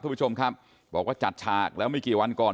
คุณผู้ชมครับบอกว่าจัดฉากแล้วไม่กี่วันก่อน